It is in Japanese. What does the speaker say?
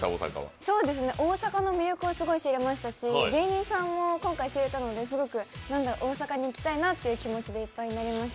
大阪の魅力をすごい知れましたし芸人さんも今回、知れたのですごく大阪に行きたいなという気持ちでいっぱいになりました。